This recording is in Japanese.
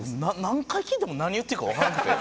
何回聞いても何言ってるかわからんくて。